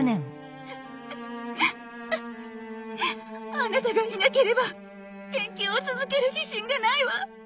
あなたがいなければ研究を続ける自信がないわ。